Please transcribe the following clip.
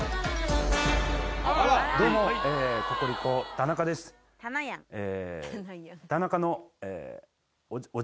どうもココリコ田中ですえ